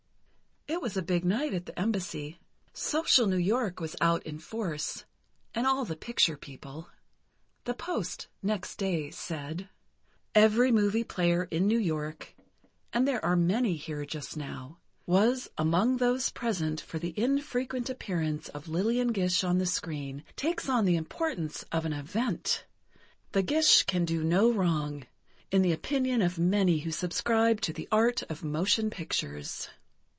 It was a big night at the Embassy. Social New York was out in force, and all the picture people. The Post next day said: "Every movie player in New York, and there are many here just now, was 'among those present,' for the infrequent appearance of Lillian Gish on the screen takes on the importance of an event.... The Gish can do no wrong, in the opinion of many who subscribe to the art of motion pictures...."